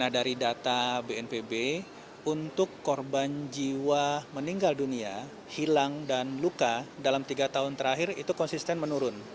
dari data bnpb untuk korban jiwa meninggal dunia hilang dan luka dalam tiga tahun terakhir itu konsisten menurun